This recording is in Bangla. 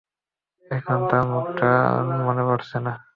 এখন তার মুখটাও মনে পড়ছে না!